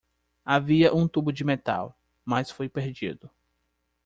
Havia um tubo de metal, mas foi perdido